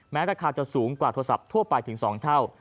ราคาจะสูงกว่าโทรศัพท์ทั่วไปถึง๒เท่า